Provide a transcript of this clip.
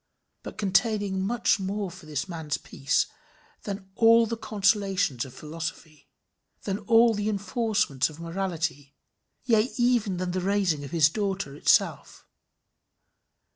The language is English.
but containing more for this man's peace than all the consolations of philosophy, than all the enforcements of morality; yea, even than the raising of his daughter itself.